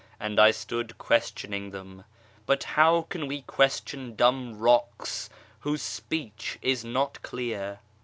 And I stood questioning them : but how can we question Dumb rocks, whose speech is not clear